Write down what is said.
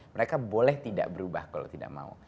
mereka boleh tidak berubah kalau tidak mau